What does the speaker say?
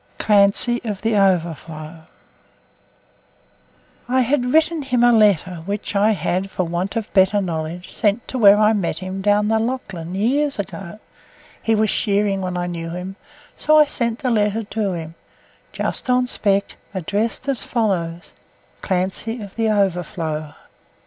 Clancy of the Overflow I had written him a letter which I had, for want of better Knowledge, sent to where I met him down the Lachlan, years ago, He was shearing when I knew him, so I sent the letter to him, Just 'on spec', addressed as follows, 'Clancy, of The Overflow'.